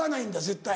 絶対。